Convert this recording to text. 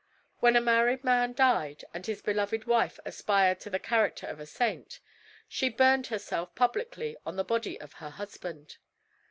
When a married man died, and his beloved wife aspired to the character of a saint, she burned herself publicly on the body of her husband.